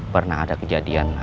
pernah ada kejadian